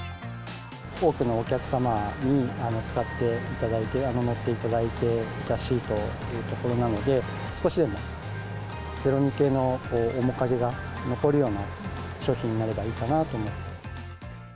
多くのお客様に使っていただいて、乗っていただいていたシートというところなので、少しでも、０２系の面影が残るような商品になればいいかなと思って。